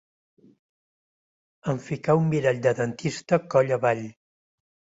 Em ficà un mirall de dentista coll avall